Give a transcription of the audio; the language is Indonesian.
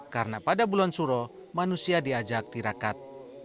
karena pada bulan suruh manusia diajak tirakat